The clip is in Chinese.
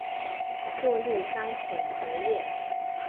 过滤该混合液。